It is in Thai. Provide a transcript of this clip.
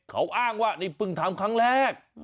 เขาอ้างว่านี่เพิ่งทำครั้งแรก